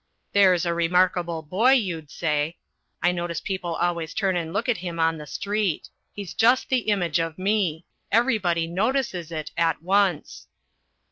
"There's a remarkable boy," you'd say. I notice people always turn and look at him on the street. He's just the image of me. Everybody notices it at once.